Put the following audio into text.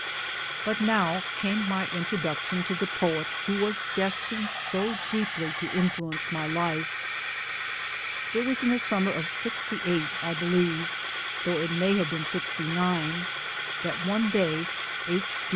But now came my introduction to the poet who was destined so deeply to influence my life. It was in the summer of '68, I believe (though it may have been '69), that one day H.